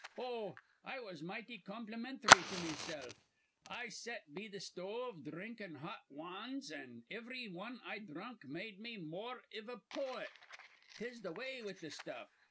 Oh, I was mighty compliminthry to mesilf. I set be th' stove dhrinkin' hot wans, an' ivry wan I dhrunk made me more iv a pote. 'Tis th' way with th' stuff.